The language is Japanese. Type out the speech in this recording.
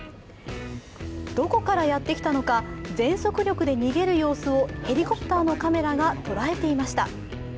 どこからやってきたのか、全速力で逃げる様子をヘリコプターのカメラが捉えていました。